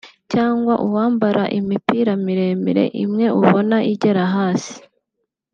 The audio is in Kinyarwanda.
cyangwa uwambara imipira miremire imwe ubona igera hasi